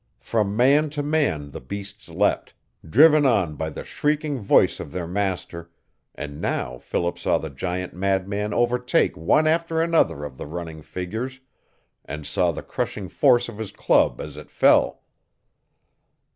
From man to man the beasts leapt, driven on by the shrieking voice of their master; and now Philip saw the giant mad man overtake one after another of the running figures, and saw the crushing force of his club as it fell.